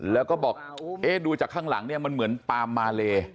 แล้วก็บอกเอ๊ะดูจากข้างหลังเนี่ยมันเหมือนปามมาเล